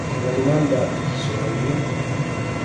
Con la domanda "Chi sono io?